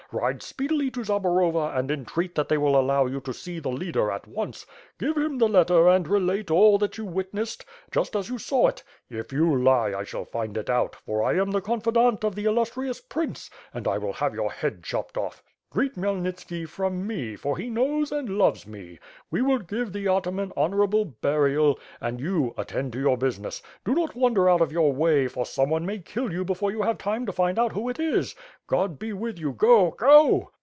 Ride speedily to Zaborova and entreat that they will allow you to see the Leader at once. Give him the letter and relate all that you witnessed, just as you saw it. If you lie, I shall find it out, for I am the confidant of the illustrious prince — and I will have your head chopped off. Greet Khmyelnitski from me, for he knows and loves me. We will give the ataman honor able burial; and you, attend to your business. Do not wander out of your way, for someone may kill you before you have time to find out who it is. God be with you, go, go!"